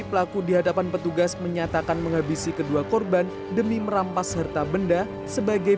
pelaku dihadapan petugas menyatakan menghabisi kedua korban demi merampas harta benda sebagai